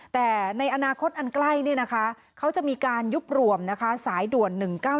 แต่ในอนาคตอันใกล้เขาจะมีการยุบรวมสายด่วน๑๙๑